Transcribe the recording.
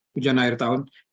hujan akhir tahun